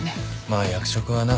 まあ役職はな。